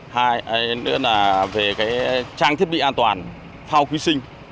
hai nữa là về trang thiết bị an toàn phao quy sinh